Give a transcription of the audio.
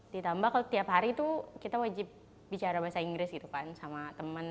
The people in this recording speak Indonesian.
ditambah kalau tiap hari tuh kita wajib bicara bahasa inggris gitu kan sama temen